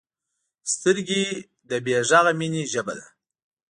سترګې د بې غږه مینې ژبه ده